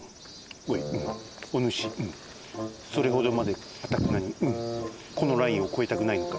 おいおぬしそれほどまでかたくなにこのラインをこえたくないのか？